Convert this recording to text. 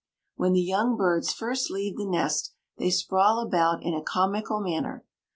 When the young birds first leave the nest they sprawl about in a comical manner.